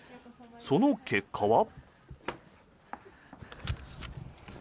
その結果は。